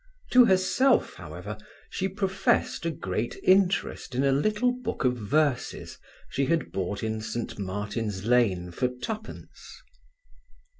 To herself, however, she professed a great interest in a little book of verses she had bought in St Martin's Lane for twopence.